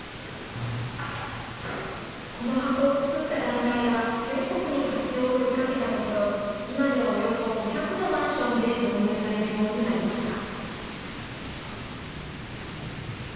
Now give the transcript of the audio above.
この箱を作った団体が全国に活用を呼びかけたところ、今ではおよそ５００のマンションで導入されるようになりました。